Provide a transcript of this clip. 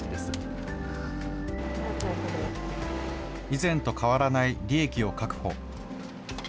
以前と変わらない利益を確保。